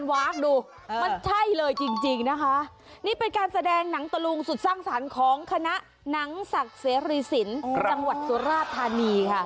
ปล่อยเธอไปทำให้หนุ่มกุศตราย